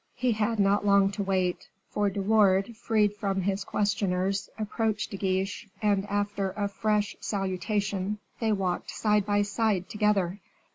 He had not long to wait; for De Wardes, freed from his questioners, approached De Guiche, and after a fresh salutation, they walked side by side together.